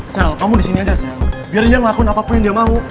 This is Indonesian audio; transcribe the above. sel kamu di sini aja sel biar dia ngelakuin apapun yang dia mau